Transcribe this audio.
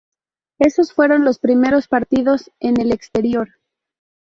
Esos fueron los primeros partidos en el exterior.